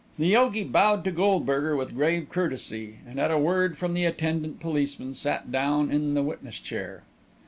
The yogi bowed to Goldberger with grave courtesy, and, at a word from the attendant policeman, sat down in the witness chair.